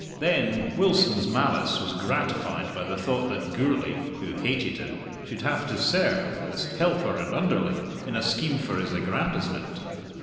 Then, Wilson's malice was gratified by the thought that Gourlay, who hated him, should have to serve, as helper and underling, in a scheme for his aggrandizement.